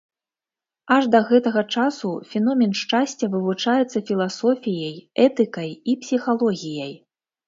Аж да гэтага часу феномен шчасця вывучаецца філасофіяй, этыкай і псіхалогіяй.